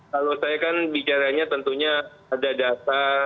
kalau saya kan bicaranya tentunya ada data